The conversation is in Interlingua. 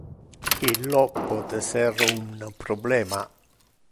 Illo pote ser un problema.